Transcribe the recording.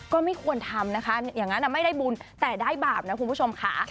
ก็ไม่ควรทำนะคะอย่างนั้นไม่ได้บุญแต่ได้บาปนะคุณผู้ชมค่ะ